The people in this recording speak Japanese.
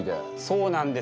そうなんです。